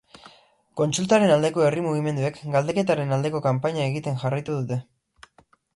Kontsultaren aldeko herri mugimenduek galdeketaren aldeko kanpaina egiten jarraitu dute.